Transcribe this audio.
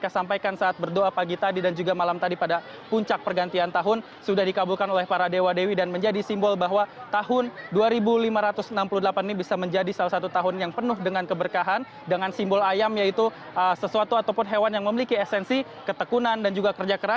sampai jumpa di video selanjutnya